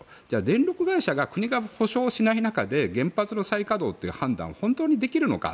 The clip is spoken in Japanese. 電力会社が国が補償しない中で原発の再稼働っていう判断を本当にできるのか。